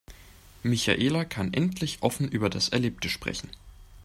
Michaela kann endlich offen über das Erlebte sprechen.